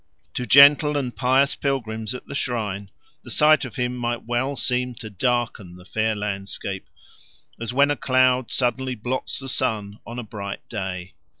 To gentle and pious pilgrims at the shrine the sight of him might well seem to darken the fair landscape, as when a cloud suddenly blots the sun on a bright day.